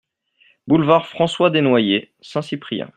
Boulevard François Desnoyer, Saint-Cyprien